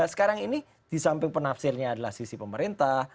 sekarang ini di samping penafsirnya adalah sisi pemerintah